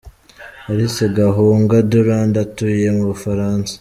Alice Gahunga Durand atuye mu Bufaransa.